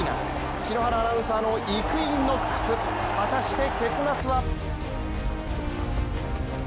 篠原アナウンサーのイクイノックス、果たして結末は。